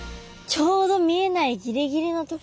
ちょうど見えないギリギリの所。